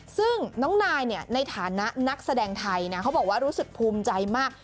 ซึ่งน้องนายในฐานะนักแสดงไทยนะเขาบอกว่ารู้สึกภูมิใจมาก